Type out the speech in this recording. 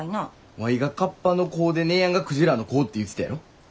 ワイがカッパの子で姉やんがクジラの子って言うてたやろ。